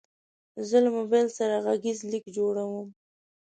زه له موبایل سره غږیز لیک جوړوم.